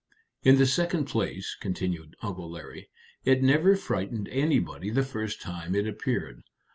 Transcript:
"In the second place," continued Uncle Larry, "it never frightened anybody the first time it appeared.